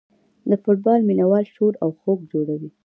د فوټبال مینه وال شور او ځوږ جوړوي.